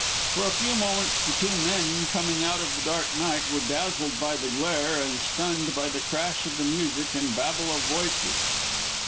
For a few moments the two men, coming out of the dark night, were dazzled by the glare, and stunned by the crash of the music and babel of voices.